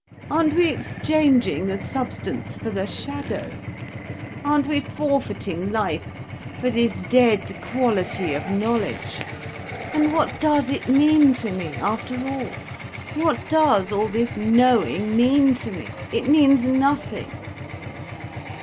Aren't we exchanging the substance for the shadow, aren't we forfeiting life for this dead quality of knowledge? And what does it mean to me, after all? What does all this knowing mean to me? It means nothing."